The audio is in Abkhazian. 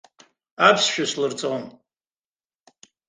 Аԥсшәа слырҵон.